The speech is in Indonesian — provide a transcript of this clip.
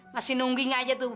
masih nungging aja tuh